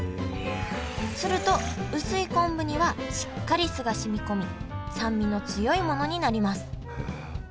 すると薄い昆布にはしっかり酢が染み込み酸味の強いものになります。